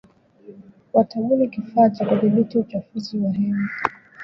Watabuni kifaa cha kudhibiti uchafuzi wa hewa